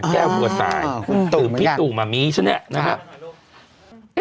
แก้ววัวตายคือพี่ตู่หม่ามีใช่ไหมนะครับ